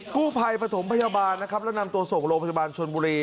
กู้ภัยปฐมพยาบาลนะครับแล้วนำตัวส่งโรงพยาบาลชนบุรี